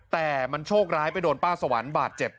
แต่มันโชคร้ายไปโดนป้าสวรรค์บาดเจ็บ